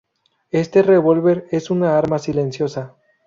Este revólver es un arma silenciosa.